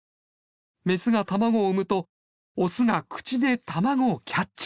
メスが卵を産むとオスが口で卵をキャッチ！